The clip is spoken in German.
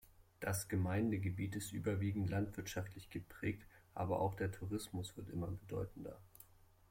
Das Gemeindegebiet ist überwiegend landwirtschaftlich geprägt, aber auch der Tourismus wird immer bedeutender.